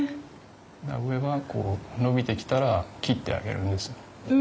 だから上は伸びてきたら切ってあげるんですよ。